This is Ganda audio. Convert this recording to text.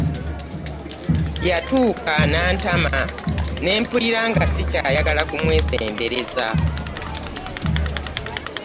Yatuuka n'antama n'empulira nga sikyayagala kubesembereza.